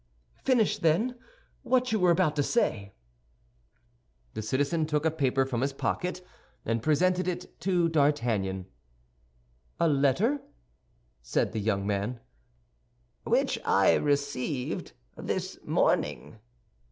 "Finish, then, what you were about to say." The citizen took a paper from his pocket, and presented it to D'Artagnan. "A letter?" said the young man. "Which I received this morning."